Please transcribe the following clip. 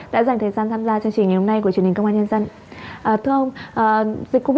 cái điều quan trọng là học sinh mầm non không lên trường được